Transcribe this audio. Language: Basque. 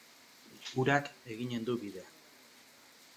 Urak eginen du bide.